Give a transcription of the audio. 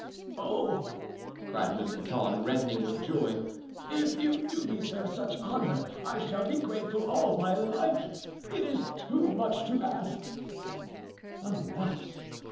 "Oh!" cried Mousqueton, reddening with joy; "if you do me, sir, such honor, I shall be grateful all my life; it is too much to ask." "Alas!"